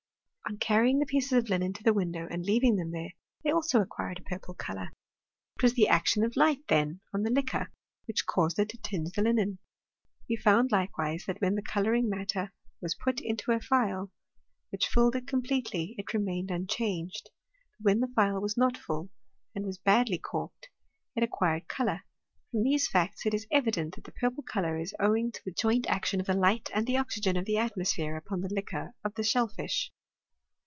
On carrying the pieces of linen to the window, and leaving them there, they also acquired a purple colour. It was the action of light, then, on the liquor, that caused it to tinge the linen. He found, likewise, that when the colouring matter was put into a phial, which filled it completely, it remained un changed ; but when the phial was not full, and was badly corked, it acquired colour. From tiiese facts it is evident, that the purple colour is owing to the joint action of the light and the oxygen of the at mosphere upon the liquor of the shellfish.